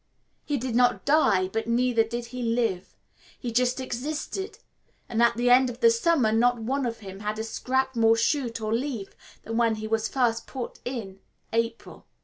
He did not die, but neither did he live he just existed; and at the end of the summer not one of him had a scrap more shoot or leaf than when he was first put in in April.